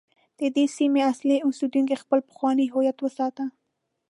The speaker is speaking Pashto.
د دې سیمې اصلي اوسیدونکو خپل پخوانی هویت وساته.